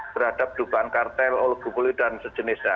terhadap dugaan kartel olegupoli dan sejenisnya